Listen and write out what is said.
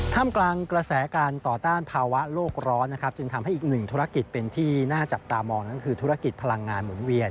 มกลางกระแสการต่อต้านภาวะโลกร้อนนะครับจึงทำให้อีกหนึ่งธุรกิจเป็นที่น่าจับตามองนั้นคือธุรกิจพลังงานหมุนเวียน